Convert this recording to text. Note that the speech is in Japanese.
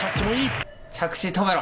着地止めろ。